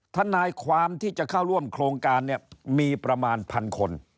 ทนายความที่จะเข้าร่วมโครงการเนี่ยมีประมาณพันคน